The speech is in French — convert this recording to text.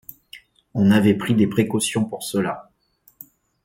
On avait pris des précautions pour cela.